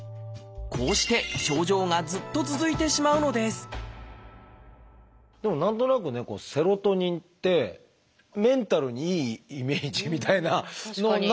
こうして症状がずっと続いてしまうのですでも何となくねセロトニンってメンタルにいいイメージみたいな何となく頭の中に。